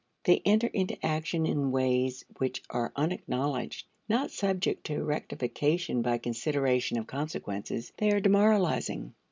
They enter into action in ways which are unacknowledged. Not subject to rectification by consideration of consequences, they are demoralizing.